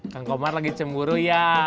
kang komar lagi cemburu ya